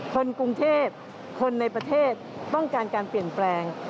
คนกรุงเทพคนในประเทศต้องการการเปลี่ยนแปลง